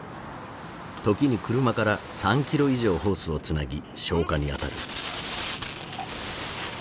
時に車から３キロ以上ホースをつなぎ消火に当たる。